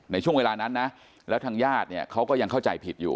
ในช่วงเวลานั้นนะแล้วทางญาติเนี่ยเขาก็ยังเข้าใจผิดอยู่